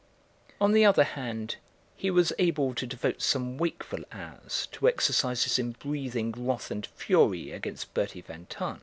On the other hand he was able to devote some wakeful hours to exercises in breathing wrath and fury against Bertie van Tahn.